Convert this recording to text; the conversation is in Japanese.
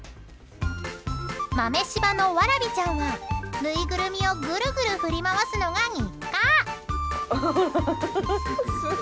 豆しばのわらびちゃんはぬいぐるみをぐるぐる振り回すのが日課。